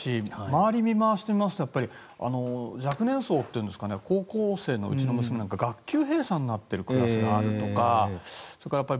周り見回してみますと若年層といいますか高校生のうちの娘とかも学級閉鎖になっているクラスがあるとか。